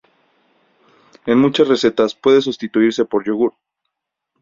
En muchas recetas, puede sustituirse por yogur.